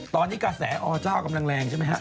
ตอนนี้กระแสอเจ้ากำลังแรงใช่ไหมฮะ